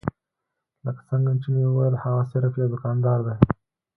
لکه څنګه چې مې وويل هغه صرف يو دوکاندار دی.